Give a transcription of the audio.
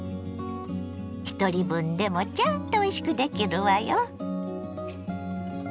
ひとり分でもちゃんとおいしくできるわよ。